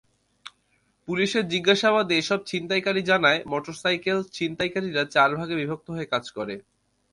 পুলিশের জিজ্ঞাসাবাদে এসব ছিনতাইকারী জানায়, মোটরসাইকেল ছিনতাইকারীরা চার ভাগে বিভক্ত হয়ে কাজ করে।